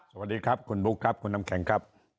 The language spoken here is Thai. สวัสดีครับคุณบุ๊คครับคุณน้ำแข็งครับ